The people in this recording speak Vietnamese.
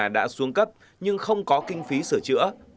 đã xuống cấp nhưng không có kinh phí sửa chữa